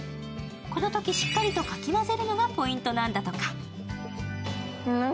このときしっかりとかき混ぜるのがポイントなんだとか。